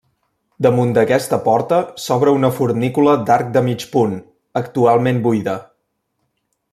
Damunt d'aquesta porta s'obre una fornícula d'arc de mig punt, actualment buida.